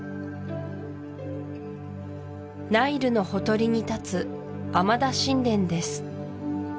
ナイルのほとりに立つアマダ神殿です